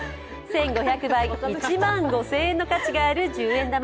１５００倍、１万５０００円の価値がある十円玉。